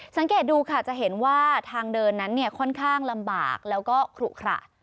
สังเกตดูค่ะจะเห็นว่าทางเดินนั้นเนี่ยค่อนข้างลำบากแล้วก็ขลุขระ